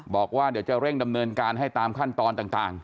บอกว่าเดี๋ยวจะเร่งดำเนินการให้ตามขั้นตอนต่าง